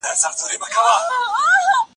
ایا ماشوم اوس هم په غېږ کې ژاړي؟